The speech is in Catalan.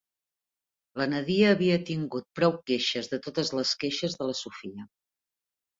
La Nadia havia tingut prou queixes de totes les queixes de la Sofia.